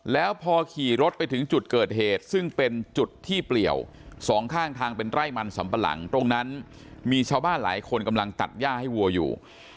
แล้วพอขี่รถไปถึงจุดเกิดเหตุซึ่งเป็นจุดที่เปลี่ยวสองข้างทางเป็นไร่มันสำปะหลังตรงนั้นมีชาวบ้านหลายคนกำลังตัดย่าให้วัวอยู่